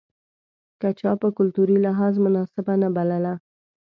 که چا په کلتوري لحاظ مناسبه نه بلله.